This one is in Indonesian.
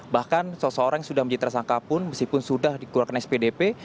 bahkan seseorang yang sudah menjadi tersangka pun meskipun sudah dikeluarkan spdp